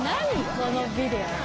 このビデオ。